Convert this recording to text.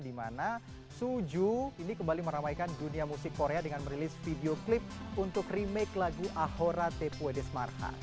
dimana suju ini kembali meramaikan dunia musik korea dengan merilis video klip untuk remake lagu ahora tepuedes markha